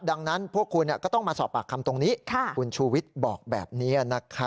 ดังนั้นพวกคุณก็ต้องมาสอบปากคำตรงนี้คุณชูวิทย์บอกแบบนี้